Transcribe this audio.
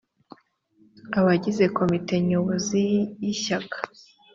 abagize komite nyobozi y’ishyaka